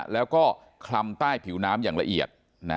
แล้วก็คลำใต้ผิวน้ำอย่างละเอียด